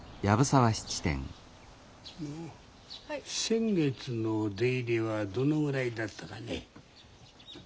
先月の出入りはどのぐらいだったかね？